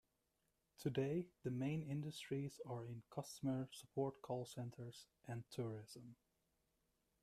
Today, the main industries are in customer support call centres and tourism.